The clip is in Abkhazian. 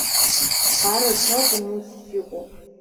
Арацәа акәым усс иҟоу.